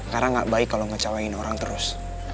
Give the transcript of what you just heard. karena gak baik kalau ngecawain orang terus